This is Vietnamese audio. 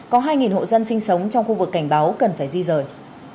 có hai hộ dân sinh sống trong khu vực cảnh báo cần phải di rời